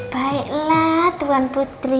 baiklah tuan putri